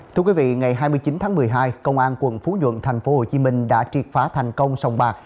thưa quý vị ngày hai mươi chín tháng một mươi hai công an quận phú nhuận tp hcm đã triệt phá thành công sòng bạc